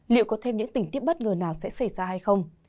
liệu có thêm những tình tiết bất ngờ nào sẽ xảy ra hay không